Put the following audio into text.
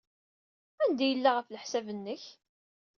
Anda ay yella, ɣef leḥsab-nnek?